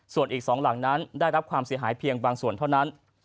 ส่วนอีก๒หลังนั้นได้รับความเสียหายเพียงบางส่วนเท่านั้น